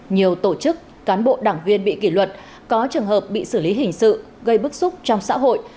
nhiều tổ chức cán bộ đảng viên bị kỷ luật có trường hợp bị xử lý hình sự gây bức xúc trong xã hội